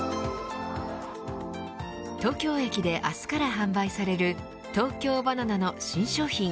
東京駅で明日から販売される東京ばな奈の新商品。